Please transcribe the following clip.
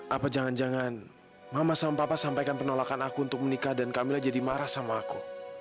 apa jangan jangan mama sama papa sampaikan penolakan aku untuk menikah dan kamilah jadi marah sama aku